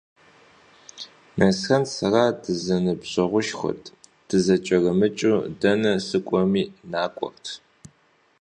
Nesren sera dızenıbjeğuşşxuet, dızeç'erımıç'ıu, dene sık'uemi, nak'uert.